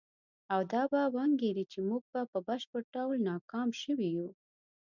او دا به وانګیري چې موږ په بشپړ ډول ناکام شوي یو.